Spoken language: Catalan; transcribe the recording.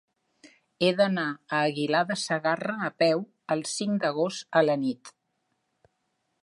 He d'anar a Aguilar de Segarra a peu el cinc d'agost a la nit.